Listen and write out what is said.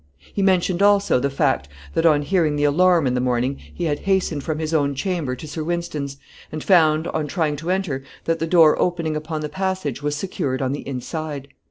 He mentioned also the fact, that on hearing the alarm in the morning, he had hastened from his own chamber to Sir Wynston's, and found, on trying to enter, that the door opening upon the passage was secured on the inside.